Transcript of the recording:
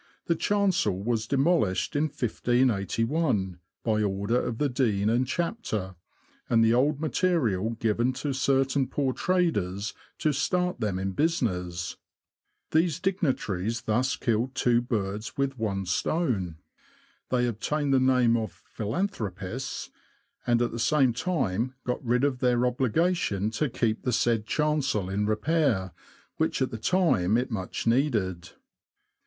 The chancel was demolished in 1 58 1, by order of the dean and chapter, and the old material given to certain poor traders to start them in business. These dignitaries thus killed two birds with one stone : they obtained the name of G Stone Gargoyle, St. Giles's Church. 82 THE LAND OF THE BROADS. philanthropists, and at the same time got rid of their obligation to keep the said chancel in repair, which at the time it much needed.